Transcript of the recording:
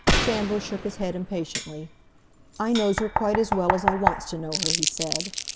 Chandler shook his head impatiently. "I knows her quite as well as I wants to know her," he said.